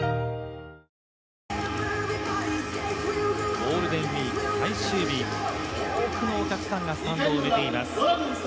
ゴールデンウイーク最終日、多くのお客さんがスタンドを埋めています。